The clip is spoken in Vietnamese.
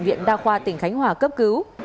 tỉnh viện đa khoa tỉnh khánh hòa cấp cứu